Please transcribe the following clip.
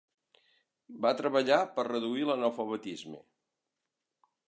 Va treballar per reduir l'analfabetisme.